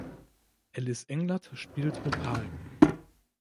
Alice Englert spielt Opal.